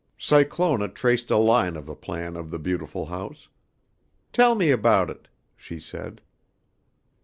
Cyclona traced a line of the plan of the beautiful house. "Tell me about it," she said.